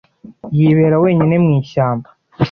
Yibera wenyine mwishyamba.